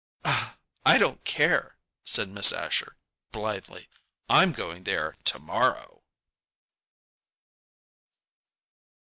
"I don't care," said Miss Asher, blithely; "I'm going there to morrow."